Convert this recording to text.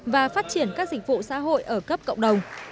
và phát triển các dịch vụ xã hội ở cấp cộng đồng